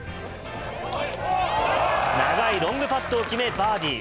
長いロングパットを決め、バーディー。